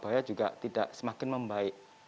bahaya juga tidak semakin membaik